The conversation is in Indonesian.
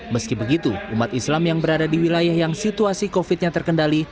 meski begitu umat islam yang berada di wilayah yang situasi covid nya terkendali